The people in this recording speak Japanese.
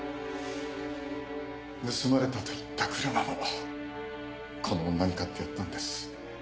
盗まれたと言った車もこの女に買ってやったんです。